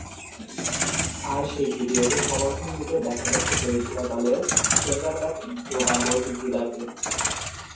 আর সেই ভিডিওতে সমর্থন দিতেও দেখা গেছে ক্রোয়েশিয়া দলের সেন্টারব্যাক দোমাগোজ ভিদাকে।